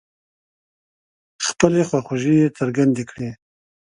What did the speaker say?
خپلې خواخوږۍ يې څرګندې کړې.